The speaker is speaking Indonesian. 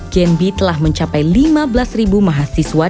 genb telah mencapai lima belas mahasiswa